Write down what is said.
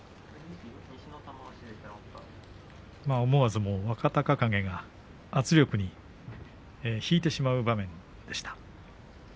思わず若隆景が、圧力に引いてしまう場面でした。